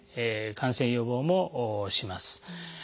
感染予防もします。